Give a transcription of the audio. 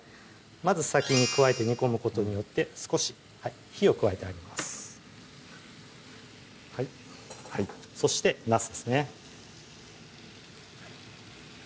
まず先に加えて煮込むことによって少し火を加えてあげますそしてなすですね